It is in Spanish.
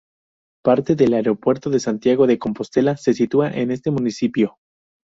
Parte del aeropuerto de Santiago de Compostela se sitúa en este municipio.